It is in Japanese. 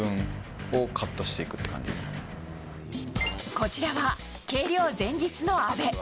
こちら、計量前日の阿部。